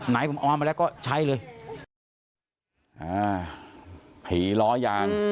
ไหนผมเอามาแล้วก็ใช้เลย